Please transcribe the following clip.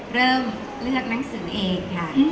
เริ่มเลือกหนังสือเองค่ะ